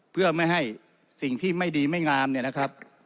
เพื่อไม่ให้สิ่งที่ไม่ดีไม่งามเนี่ยนะครับ